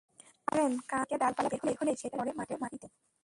কারণ কাণ্ড থেকে ডালপালা বের হলেই সেটা শুয়ে পড়ে মাটিতে।